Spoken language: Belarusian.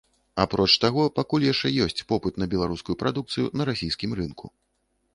Апроч таго, пакуль яшчэ ёсць попыт на беларускую прадукцыю на расійскім рынку.